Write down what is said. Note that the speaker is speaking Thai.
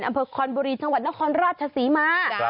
อำเภอคอนบุรีจังหวัดนครราชศรีมา